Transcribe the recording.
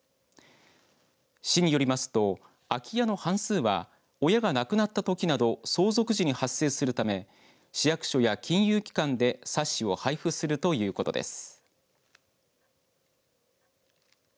市によりますと空き家の半数は親が亡くなったときなど相続時に発生するため市役所や金融機関で冊子を配布するということです。